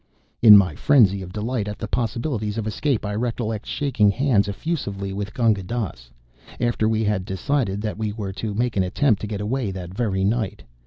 In my frenzy of delight at the possibilities of escape I recollect shaking hands effusively with Gunga Dass, after we had decided that we were to make an attempt to get away that very night.